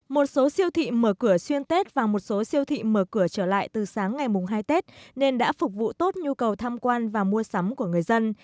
một số siêu thị mở cửa xuyên tết và một số siêu thị mở cửa trở lại từ sáng ngày mùng hai tết nên đã phục vụ tốt nhu cầu tham quan và mua sắm của người dân